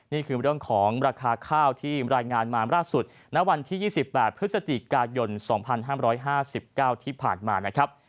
นี่คือเรื่องของราคาข้าวที่รายงานมาล่าสุดณวันที่ยี่สิบแปดพฤศจิกายนสองพันห้าร้อยห้าสิบเก้าที่ผ่านมานะครับ